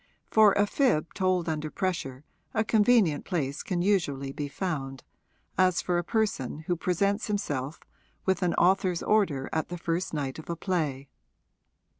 For a fib told under pressure a convenient place can usually be found, as for a person who presents himself with an author's order at the first night of a play.